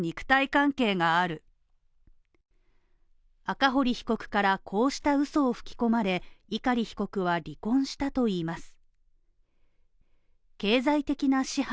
赤堀被告から、こうしたうそを吹き込まれ碇被告は離婚したといいます。